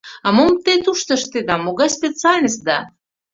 А мом те тушто ыштеда, могай специальностьда?»